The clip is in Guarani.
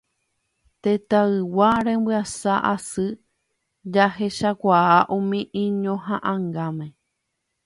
Tetãygua rembiasa asy jahechakuaa umi iñohaʼãngáme.